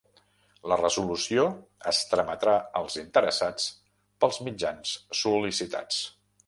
La resolució es trametrà als interessats pels mitjans sol·licitats.